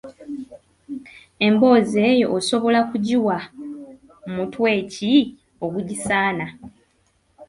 Emboozi eyo osobola kugiwa mutwe ki ogugisaana?